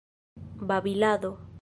babilado